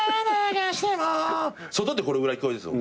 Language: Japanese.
外でこれぐらい聞こえるんすよ。